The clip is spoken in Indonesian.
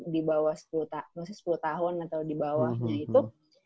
di bawah sepuluh tahun atau di bawahnya itu